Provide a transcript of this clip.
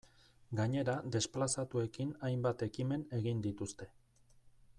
Gainera desplazatuekin hainbat ekimen egin dituzte.